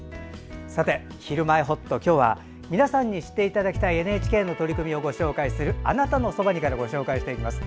さて、「ひるまえほっと」今日は、皆さんに知っていただきたいＮＨＫの取り組みをご紹介する「あなたのそばに」からご紹介していきます。